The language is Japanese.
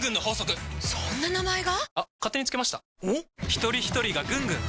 ひとりひとりがぐんぐん！